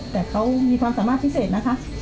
แต่เขามีความสามารถพิเศษนะคะ